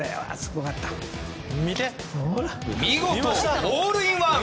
見事、ホールインワン！